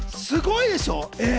すごいでしょ？